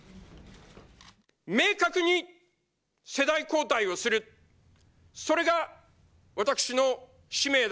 明確に世代交代をする、それが私の使命だ。